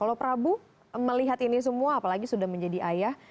kalau prabu melihat ini semua apalagi sudah menjadi ayah